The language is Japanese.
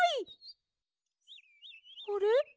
あれ？